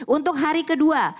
untuk hari kedua